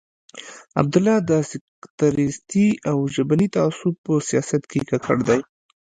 عبدالله د سکتریستي او ژبني تعصب په سیاست کې ککړ دی.